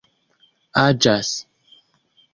aĝas